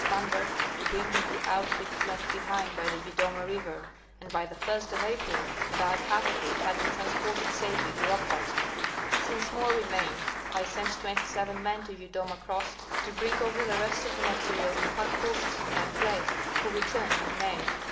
Spanberg to bring in the outfit left behind by the Yudoma river, and by the Ist of April about half Review of Berings First Expedition, 1725 30. 139 of it had been transported safely to Okhotsk. Since more re mained I sent twenty seven men to Yudoma Cross to bring over the rest of the material on pack horses from that place, who returned in May.